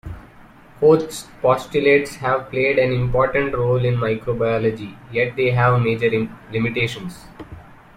Koch's postulates have played an important role in microbiology, yet they have major limitations.